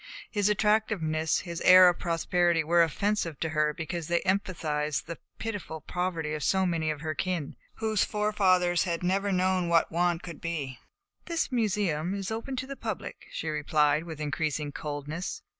His attractiveness, his air of prosperity, were offensive to her because they emphasized the pitiful poverty of so many of her kin whose forefathers had never known what want could be. "The Museum is open to the public," she replied, with increasing coldness.